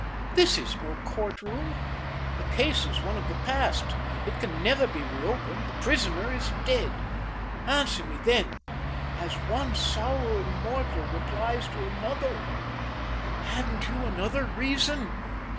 This is no court room; the case is one of the past; it can never be reopened; the prisoner is dead. Answer me then, as one sorrowing mortal replies to another, hadn't you another reason?"